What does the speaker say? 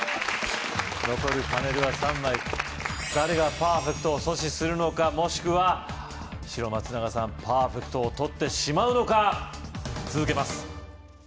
残るパネルは３枚誰がパーフェクトを阻止するのかもしくは白・松永さんパーフェクトを取ってしまうのか続けます